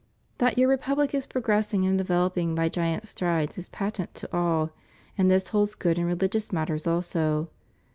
That your Republic is progressing and developing by giant strides is patent to all; and this holds good in religious matters also.